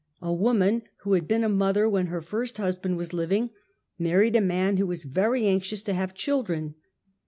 A woman who had been a mother when her first husband was living, married a man who was very anxious to have children.